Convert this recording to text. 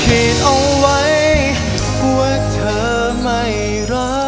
ขีดเอาไว้ว่าเธอไม่รัก